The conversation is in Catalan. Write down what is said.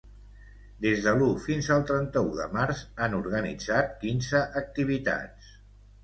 Des de l’u fins al trenta-u de març han organitzat quinze activitats.